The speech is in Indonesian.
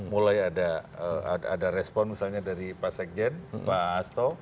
mulai ada respon misalnya dari pak sekjen pak hasto